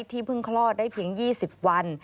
เพิ่งคลอดได้เพียง๒๐วัน